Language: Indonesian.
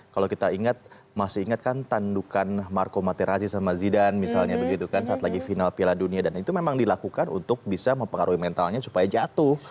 kalau kita ingat masih ingat kan tandukan marco materasi sama zidan misalnya begitu kan saat lagi final piala dunia dan itu memang dilakukan untuk bisa mempengaruhi mentalnya supaya jatuh